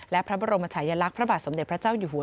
และพระบรมชายลักษณ์พระบาทสมเด็จพระเจ้าอยู่หัว